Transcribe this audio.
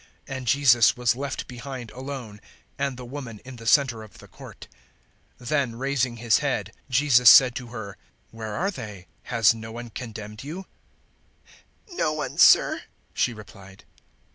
And Jesus was left behind alone and the woman in the centre of the court. 008:010 Then, raising His head, Jesus said to her, "Where are they? Has no one condemned you?" 008:011 "No one, Sir," she replied.